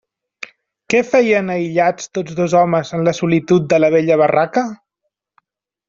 Què feien aïllats tots dos homes en la solitud de la vella barraca?